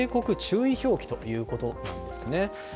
・注意表記ということなんですね。